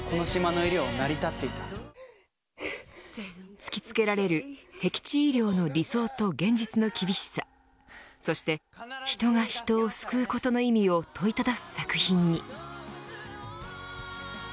突き付けられるへき地医療の理想と現実の厳しさそして人が人を救うことの意味を問いただす作品に。